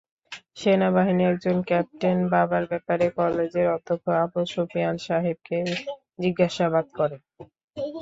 সেনাবাহিনীর একজন ক্যাপ্টেন বাবার ব্যাপারে কলেজের অধ্যক্ষ আবু সুফিয়ান সাহেবকে জিজ্ঞাসাবাদ করে।